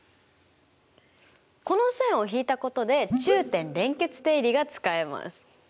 この線を引いたことで中点連結定理が使えます。